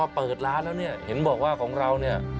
เอาล่ะพอมาเปิดร้านแล้วนี่เห็นบอกว่าของเรานี่